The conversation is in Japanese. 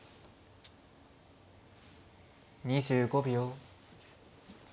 ２５秒。